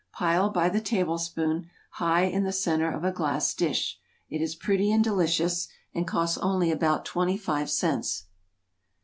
Pile by the tablespoonful high in the centre of a glass dish. It is pretty and delicious, and costs only about twenty five cents.